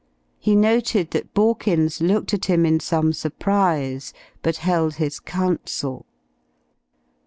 He noted that Borkins looked at him in some surprise, but held his counsel.